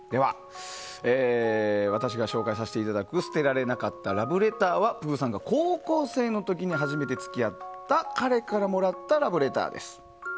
私が紹介させていただく捨てられなかったラブレターはぷぅさんが高校生の時に初めて付き合った彼からもらったラブレターです。